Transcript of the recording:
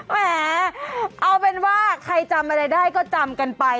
แหมเอาเป็นว่าใครจำอะไรได้ก็จำกันไป